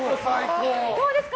どうですか？